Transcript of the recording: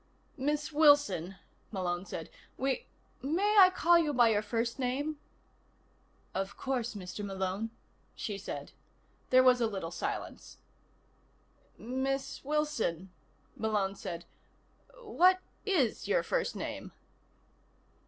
"Miss Wilson," Malone said, "we may I call you by your first name?" "Of course, Mr. Malone," she said. There was a little silence. "Miss Wilson," Malone said, "what is your first name?"